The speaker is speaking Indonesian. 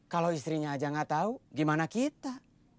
kalau istrinya aja nggak tahu gimana kita